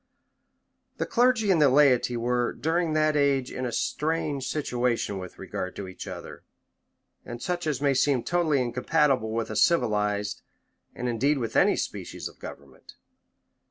] The clergy and the laity were, during that age, in a strange situation with regard to each other, and such as may seem totally incompatible with a civilized, and indeed with any species of government.